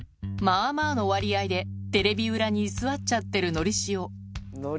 まあまあの割合で、テレビ裏に居座っちゃってるのりしお。